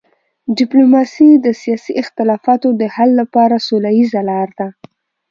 ډیپلوماسي د سیاسي اختلافاتو د حل لپاره سوله ییزه لار ده.